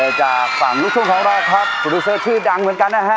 และจากฝั่งลูกทุ่มของเราครับโปรดูเซอร์ชื่อดังเหมือนกันนะฮะ